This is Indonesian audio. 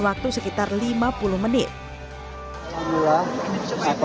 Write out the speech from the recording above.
waktu sekitar lima puluh menit hai semua apa yang kita rencanakan berjalan dengan baik harapan